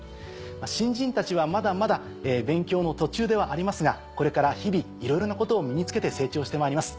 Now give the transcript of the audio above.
新人たちはまだまだ勉強の途中ではありますがこれから日々いろいろなことを身に付けて成長してまいります。